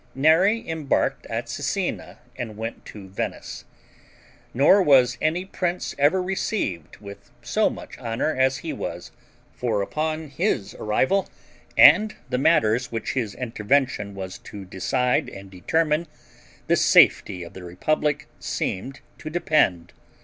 Neri embarked at Cesena and went to Venice; nor was any prince ever received with so much honor as he was; for upon his arrival, and the matters which his intervention was to decide and determine, the safety of the republic seemed to depend.